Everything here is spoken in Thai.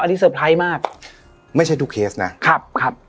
อันนี้เตอร์ไพรส์มากไม่ใช่ทุกเคสนะครับครับ